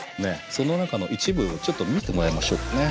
その中の一部をちょっと見てもらいましょうかね。